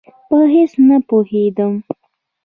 په هېڅ نه پوهېدم.